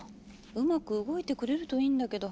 うまく動いてくれるといいんだけど。